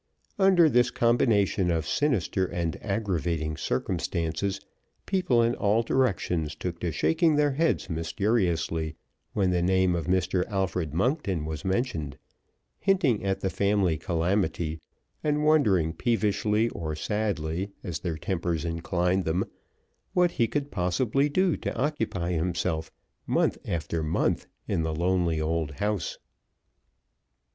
Under this combination of sinister and aggravating circumstances people in all directions took to shaking their heads mysteriously when the name of Mr. Alfred Monkton was mentioned, hinting at the family calamity, and wondering peevishly or sadly, as their tempers inclined them, what he could possibly do to occupy himself month after month in the lonely old house.